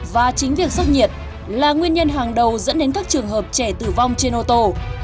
và chính việc sốc nhiệt là nguyên nhân hàng đầu dẫn đến các trường hợp trẻ tử vong trên ô tô